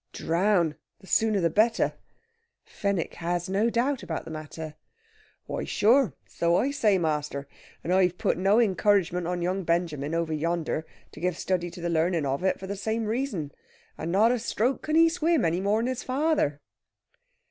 "Drown! The sooner the better." Fenwick has no doubt about the matter. "Why, sure! So I say, master. And I've put no encouragement on young Benjamin, over yonder, to give study to the learning of it, for the same reason. And not a stroke can he swim, any more than his father."